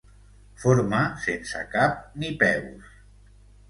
Forma sense cap ni peus.